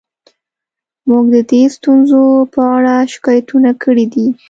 موږ د دې ستونزو په اړه شکایتونه کړي دي